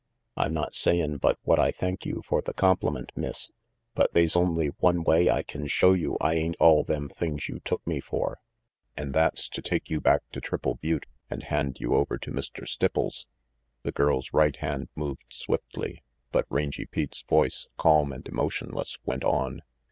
"I'm not sayin' but what I thank you for the compliment, Miss, but they's only one way I can show you I ain't all them things you took me for, an' that's to take you back to Triple Butte and hand you over to Mr. Stipples." RANGY PETE 295 The girl's right hand moved swiftly, but Rangy Pete's voice, calm and emotionless, went on.